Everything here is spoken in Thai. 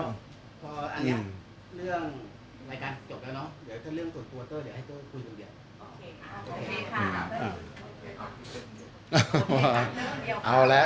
นั่นคนเดียวครับ